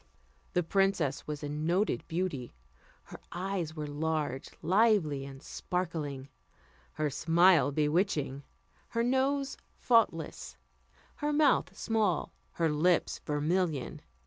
The princess was a noted beauty: her eyes were large, lively, and sparkling; her smile bewitching; her nose faultless; her mouth small; her lips vermilion.